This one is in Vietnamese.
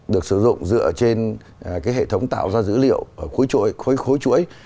được sử dụng dựa trên hệ thống tạo ra dữ liệu khối chuỗi